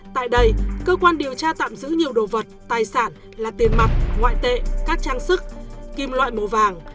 tại đây cơ quan điều tra tạm giữ nhiều đồ vật tài sản là tiền mặt ngoại tệ các trang sức kim loại màu vàng